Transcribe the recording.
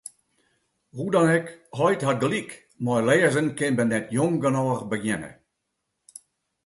Hoe dan ek, heit hat gelyk: mei lêzen kin men net jong genôch begjinne.